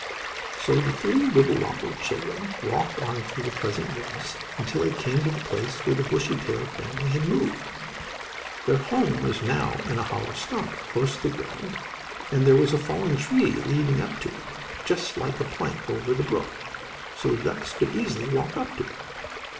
So the three Wibblewobble children walked on through the pleasant woods, until they came to the place where the Bushytail family had moved. Their home was now in a hollow stump, close to the ground, and there was a fallen tree leading up to it, just like a plank over the brook, so the ducks could easily walk up it.